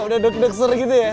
udah deg degser gitu ya